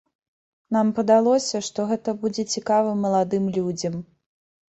Нам падалося, што гэта будзе цікава маладым людзям.